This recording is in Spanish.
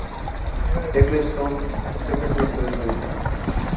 Ecclestone se ha casado tres veces.